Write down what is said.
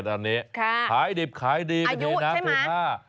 ค่ะอายุใช่ไหมขายดิบขายดีประเทศน้ำเพศห้า